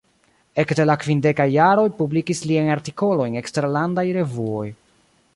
Ekde la kvindekaj jaroj publikis liajn artikolojn eksterlandaj revuoj.